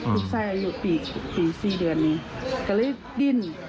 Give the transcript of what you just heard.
ลูกไส้อยู่ปีปีสี่เดือนนี้ก็เลยดิ้น